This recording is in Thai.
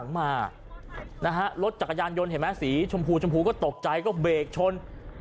ทะลมไล่หลังมารถจักรยานยนต์เห็นมั้ยสีชมพูก็ตกใจก็เบรกชน